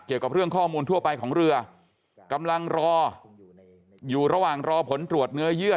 เกี่ยวกับเรื่องข้อมูลทั่วไปของเรือกำลังรออยู่ระหว่างรอผลตรวจเนื้อเยื่อ